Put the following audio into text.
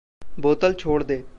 बोतल छोड़ दे।